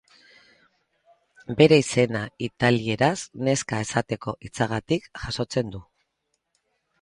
Bere izena italieraz neska esateko hitzagatik jasotzen du.